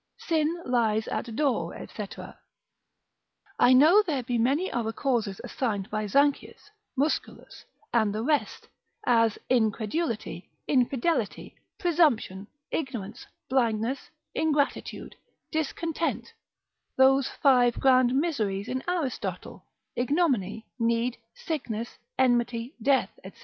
Sin lies at door, &c. I know there be many other causes assigned by Zanchius, Musculus, and the rest; as incredulity, infidelity, presumption, ignorance, blindness, ingratitude, discontent, those five grand miseries in Aristotle, ignominy, need, sickness, enmity, death, &c.